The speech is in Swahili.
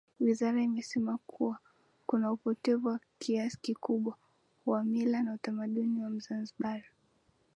Wizara imesema kuna upotevu wa kiasi kikubwa wa mila na utamaduni wa mzanzibar